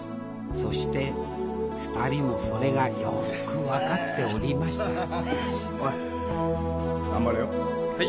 そして２人もそれがよく分かっておりましたおい！